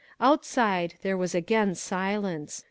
Outside there was again silence...